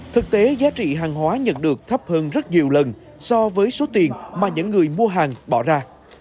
thực tế giá trị hàng hóa nhận được thấp hơn rất nhiều lần so với số tiền mà những người mua hàng bỏ ra